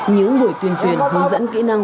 những buổi tuyên truyền hướng dẫn kỹ năng